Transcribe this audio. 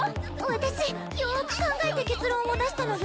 私よーく考えて結論を出したのよ。